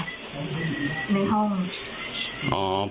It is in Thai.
ในห้อง